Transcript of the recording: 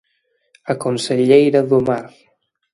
A conselleira do Mar.